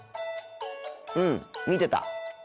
うん見てた。